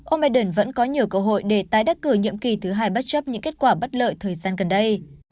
ông biden vẫn có nhiều cơ hội để tái đắc cử nhiệm kỳ thứ hai bất chấp những kết quả bất lợi thời gian gần đây